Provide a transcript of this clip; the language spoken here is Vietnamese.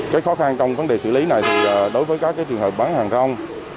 cái khó khăn trong vấn đề xử lý này thì đối với các trường hợp bán hàng rong